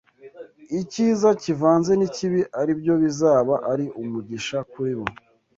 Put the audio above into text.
icyiza kivanze n’ikibi ari byo bizaba ari umugisha kuri bo